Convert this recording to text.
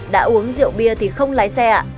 đã uống rượu bia thì không lái xe ạ